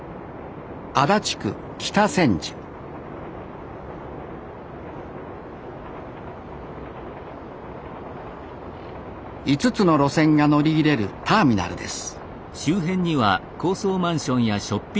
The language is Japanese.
足立区北千住５つの路線が乗り入れるターミナルです